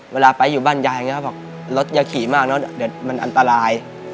เวลาไปอยู่บ้านยายรถอย่าขี่มากนะเดี๋ยวมันอันตราย